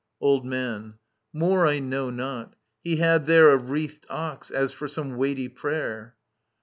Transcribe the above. Old Man. More I know not ; he had there A wreath&d ox, as for some weighty prayer.